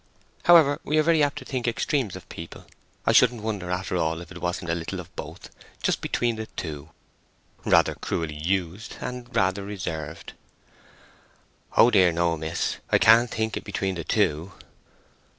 "However, we are very apt to think extremes of people. I shouldn't wonder after all if it wasn't a little of both—just between the two—rather cruelly used and rather reserved." "Oh dear no, miss—I can't think it between the two!"